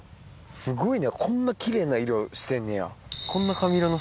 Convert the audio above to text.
すごいねこんな奇麗な色してんねや。